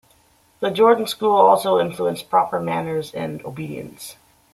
The Jordan School also influenced proper manners and obedience.